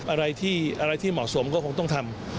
อะไรที่เหมาะสมก็คงต้องทำ